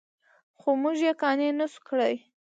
خو موږ یې قانع نه شوو کړی.